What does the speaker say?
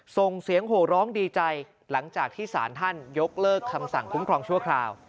ส่งเสียงโหร้องดีใจหลังจากที่สารท่านยกเลิกคำสั่งคุ้มครองชั่วคราว